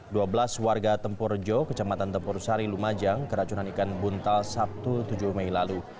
dua belas warga tempurjo kecamatan tempur sari lumajang keracunan ikan buntal sabtu tujuh mei lalu